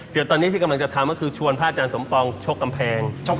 เดี๋ยวตอนนี้ที่กำลังจะทำก็คือชวนพระอาจารย์สมปองชกกำแพง